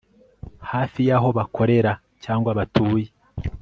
hafi y aho bakorera cyangwa batuye